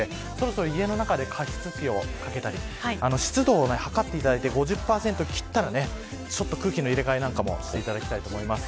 家の中で加湿器をかけたり湿度を測っていただいて５０％を切ったら空気の入れ替えなんかもしていただきたいと思います。